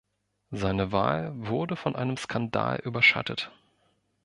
Seine Wahl wurde von einem Skandal überschattet.